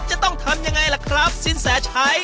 จะต้องทำยังไงล่ะครับสินแสชัย